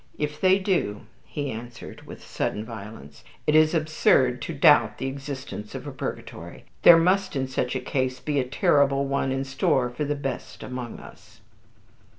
"If they do," he answered with sudden violence, "it is absurd to doubt the existence of a purgatory. There must in such a case be a terrible one in store for the best among us."